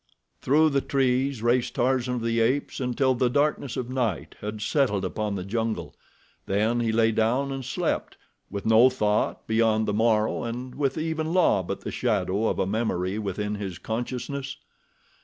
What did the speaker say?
Through the trees raced Tarzan of the Apes until the darkness of night had settled upon the jungle, then he lay down and slept, with no thought beyond the morrow and with even La but the shadow of a memory within his consciousness.